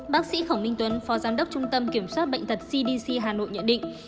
bác sĩ khổng minh tuấn phó giám đốc trung tâm kiểm soát bệnh tật cdc hà nội nhận định